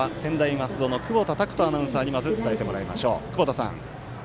松戸の久保田拓人アナウンサーにまず伝えてもらいましょう。